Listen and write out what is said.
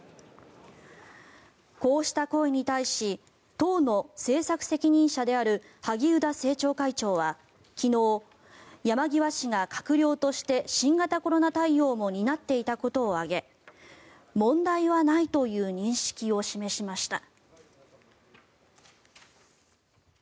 こうした声に対し党の政策責任者である萩生田政調会長は昨日山際氏が閣僚として新型コロナ対応も担っていたことを挙げ問題はないという認識を示しました。